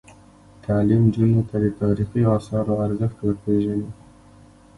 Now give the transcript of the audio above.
تعلیم نجونو ته د تاریخي اثارو ارزښت ور پېژني.